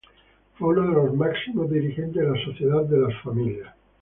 Fue uno de los máximos dirigentes de la Sociedad de las Familias.